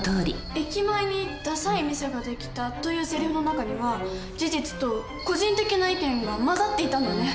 「駅前にダサい店ができた」というセリフの中には事実と個人的な意見が交ざっていたんだね。